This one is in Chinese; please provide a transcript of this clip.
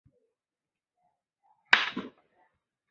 艾恩多夫是德国下萨克森州的一个市镇。